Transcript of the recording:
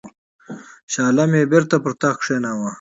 شاه عالم یې بیرته پر تخت کښېناوه.